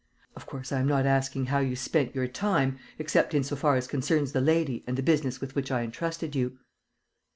Of course, I am not asking how you spent your time, except in so far as concerns the lady and the business with which I entrusted you."